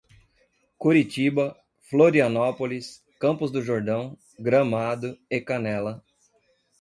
Curitiba, Florianópolis, Campos do Jordão, Gramado e Canela